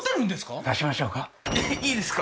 いいですか？